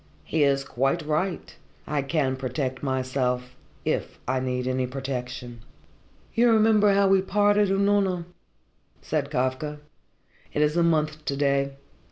He is quite right I can protect myself if I need any protection." "You remember how we parted, Unorna?" said Kafka. "It is a month to day.